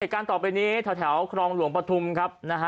เหตุการณ์ต่อไปนี้แถวครองหลวงประธุมครับนะฮะ